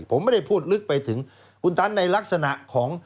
ผมไม่ได้พูดลึกไปถึงคุณตันในลักษณะของ